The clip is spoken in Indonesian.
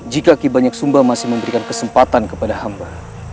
jika ki banyak sumba masih memberikan kesempatan kepada hamba